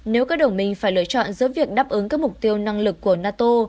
nếu các đồng minh phải lựa chọn giữa việc đáp ứng các mục tiêu năng lực của nato